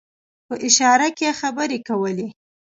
په اشاره کې خبرې کولې.